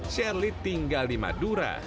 sherly tinggal di madura